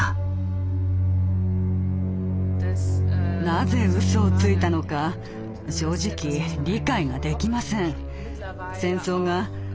なぜうそをついたのか正直理解ができません。